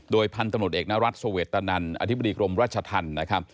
โดยพันธนุษย์เอกณรัฐสวเวศตะนั้นอธิบดีกรมรัชธรรมดิ์